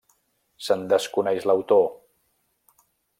Se'n desconeix l'autor.